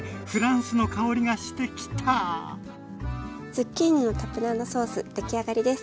ズッキーニのタプナードソースできあがりです。